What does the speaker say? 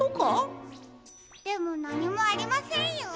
でもなにもありませんよ。